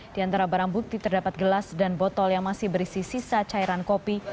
di antara barang bukti terdapat gelas dan botol yang masih berisi sisa cairan kopi